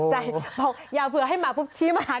ใจบอกอย่าเผื่อให้หมาปุ๊บชี้มาหา